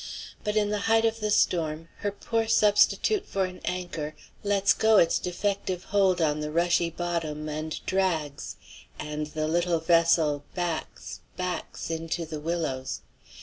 But in the height of the storm her poor substitute for an anchor lets go its defective hold on the rushy bottom and drags, and the little vessel backs, backs, into the willows.